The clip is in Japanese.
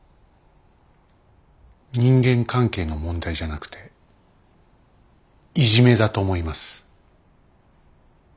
人間関係の問題じゃなくていじめだと思います。